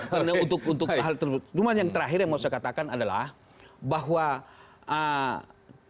cuma yang terakhir yang mau saya katakan adalah bahwa kalau diusul tiga orang